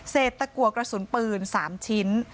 เสกตะกวากระสุนปืน๓ชิ้น